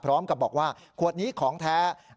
พร้อมกับบอกว่าขวดนี้ของแท้